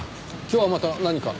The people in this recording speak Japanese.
今日はまた何か？